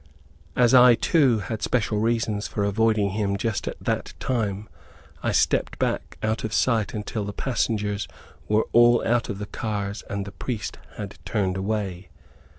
As I, too, had special reasons for avoiding him just at that time, I stepped back out of sight until the passengers were all out of the cars and the priest had turned away.